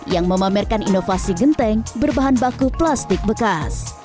yang memamerkan inovasi genteng berbahan baku plastik bekas